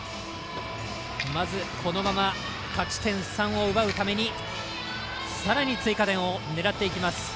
まず、このまま勝ち点３を奪うためにさらに追加点を狙っていきます。